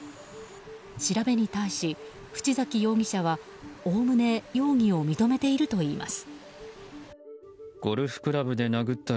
調べに対し、淵崎容疑者はおおむね容疑を認めているといいます。